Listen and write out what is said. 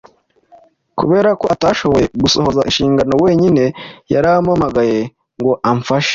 Kubera ko atashoboye gusohoza inshingano wenyine, yarampamagaye ngo amfashe.